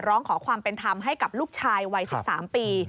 ร้องขอความเป็นธรรมให้กับลูกชายวัย๑๓ปี